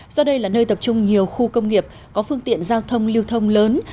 do đây là nơi tập trung nhiều khu công nghiệp có phương tiện giao thông lưu thông lớn